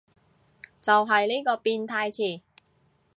就係呢個變態詞